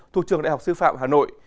thuộc trường đại học sư phạm hà nội